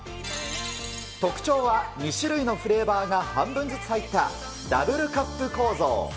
特徴は２種類のフレーバーが半分ずつ入ったダブルカップ構造。